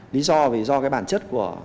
lý do là do bản chất của